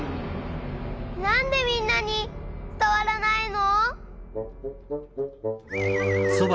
なんでみんなにつたわらないの！？